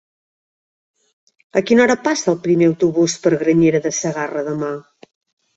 A quina hora passa el primer autobús per Granyena de Segarra demà?